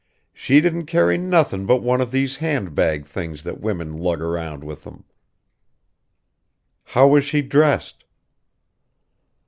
She didn't carry nothin' but one of these handbag things that women lug around with 'em." "How was she dressed?"